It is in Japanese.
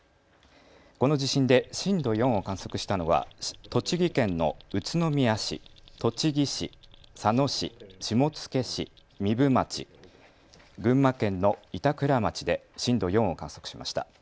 この地震で震度４を観測したのは栃木県の宇都宮市、栃木市、佐野市、下野市、壬生町、群馬県の板倉町で震度４を観測しました。